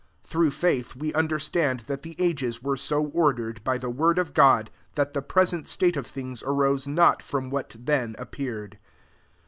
3 Through faith, we under stand that the ages were so or dered by the word of God, that the present state of thii%8 arose not from what then appeared.